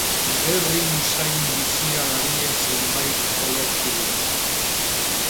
Berri usain bizia darie zenbait olerkiri.